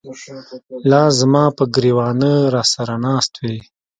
لاس زماپه ګر ېوانه راسره ناست وې